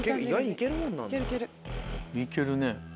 行けるね。